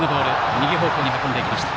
右方向に運んで行きました。